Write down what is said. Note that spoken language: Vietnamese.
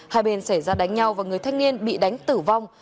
hai bên xảy ra đánh nhau và người thanh niên bị đánh tử vong